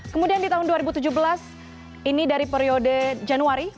kemudian di tahun dua ribu tujuh belas ini dari periode januari